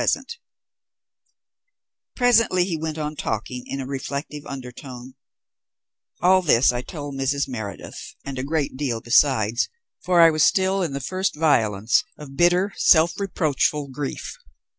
Presently he went on talking in a reflective undertone: "All this I told Mrs. Meredith, and a great deal besides, for I was still in the first violence of bitter, self reproachful grief.